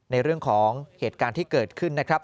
ในเรื่องของเหตุการณ์ที่เกิดขึ้นนะครับ